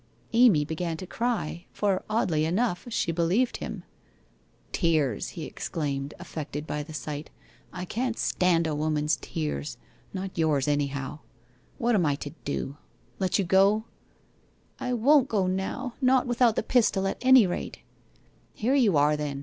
Amy began to cry, for, oddly enough, she believed him. ' Tears !' he exclaimed, affected by the sight. ' I can't Maud a woman's tears — not yours, anyhow. What am I to do ? Let you go ?'' I won't go now — not without the pistol, at any rate/ * Here you are then